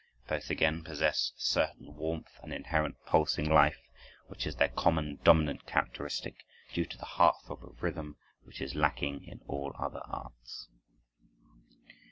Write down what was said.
Both, again, possess a certain warmth and inherent pulsing life, which is their common, dominant characteristic, due to the heart throb of rhythm, which is lacking in all other arts.